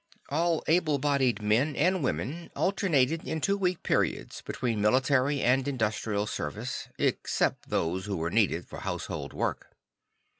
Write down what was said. All able bodied men and women alternated in two week periods between military and industrial service, except those who were needed for household work.